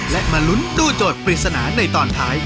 และมาลุ้นตู้โจทย์ปริศนาในตอนท้าย